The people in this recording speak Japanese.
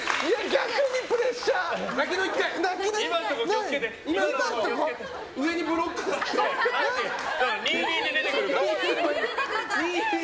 逆にプレッシャー！